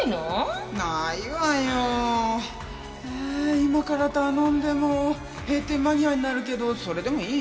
今から頼んでも閉店間際になるけどそれでもいい？